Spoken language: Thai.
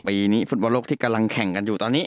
ปีนี้ฟุตบอลโลกที่กำลังแข่งกันอยู่ตอนนี้